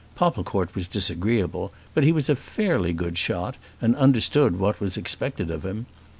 Popplecourt was disagreeable, but he was a fairly good shot and understood what was expected of him.